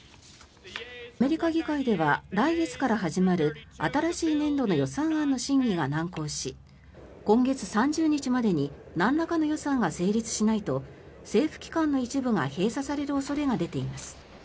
アメリカ議会では来月から始まる新しい年度の予算案の審議が難航し今月３０日までになんらかの予算が成立しないと政府機関の一部が閉鎖される恐れが出ています。